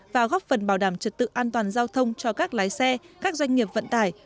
và góp phần bảo đảm trật tự an toàn giao thông cho các lái xe các doanh nghiệp vận tải